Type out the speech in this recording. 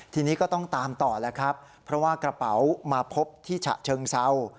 ทีนี้ก็ต้องตามต่อแล้วครับเพราะว่ากระเป๋ามาพบที่ฉะเชิงเศร้า